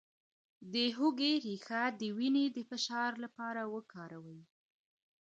د هوږې ریښه د وینې د فشار لپاره وکاروئ